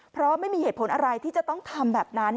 เพราะไม่มีเหตุผลอะไรที่จะต้องทำแบบนั้น